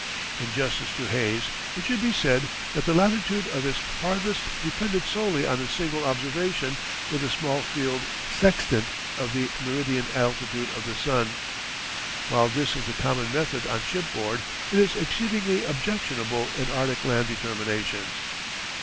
In justice to Hayes it should be said that the latitude of his "farthest" depended solely on a single observation with a small field sextant of the meridian altitude of the sun. While this is the common method on shipboard it is exceedingly objectionable in Arctic land determinations.